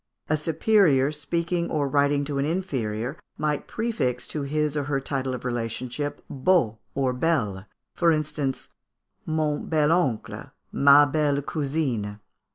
A superior speaking or writing to an inferior, might prefix to his or her title of relationship beau or belle; for instance, mon bel oncle, ma belle cousine.